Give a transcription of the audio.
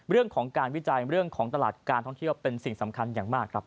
เรื่องของการวิจัยเรื่องของตลาดการท่องเที่ยวเป็นสิ่งสำคัญอย่างมากครับ